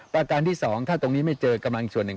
ประการที่๒ถ้าตรงนี้ไม่เจอกำลังอีกส่วนหนึ่ง